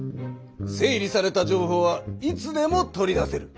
整理された情報はいつでも取り出せる。